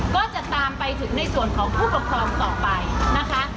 ก็จะตามไปถึงในส่วนของผู้ปกครองต่อไปนะคะ